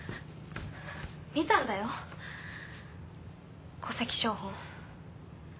見たんだよ戸籍抄本。